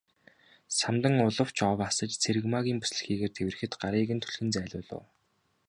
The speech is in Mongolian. Самдан улам ч ов асаж Цэрэгмаагийн бүсэлхийгээр тэврэхэд гарыг нь түлхэн зайлуулав.